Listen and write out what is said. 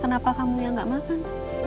kenapa kamu yang nggak makan